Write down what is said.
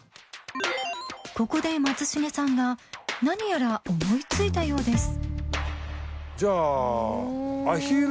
ここで松重さんが何やら思い付いたようですじゃあ。